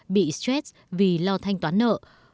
sáu mươi sáu bị stress vì lo thanh toán nợ